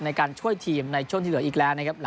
ในการช่วยทีมในช่วงที่เหลืออีกแล้วนะครับ